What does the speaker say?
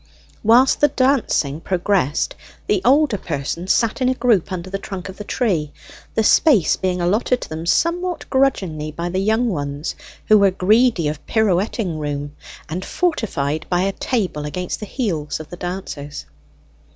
Whilst the dancing progressed the older persons sat in a group under the trunk of the tree, the space being allotted to them somewhat grudgingly by the young ones, who were greedy of pirouetting room, and fortified by a table against the heels of the dancers.